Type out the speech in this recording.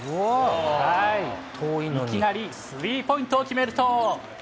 いきなりスリーポイントを決めると。